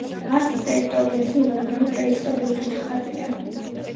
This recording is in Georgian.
პარკის ტერიტორიაზე უამრავი პრეისტორიული ნახატია.